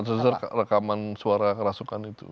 atas dasar rekaman suara kerasukan itu